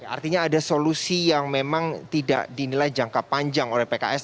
artinya ada solusi yang memang tidak dinilai jangka panjang oleh pks